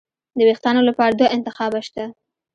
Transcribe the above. د وېښتانو لپاره دوه انتخابه شته.